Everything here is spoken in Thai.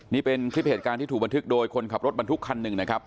นี่เป็นคลิปเหตุการณ์ที่ถูกบันทึกโดยคนขับรถบรรทุกคันหนึ่งนะครับ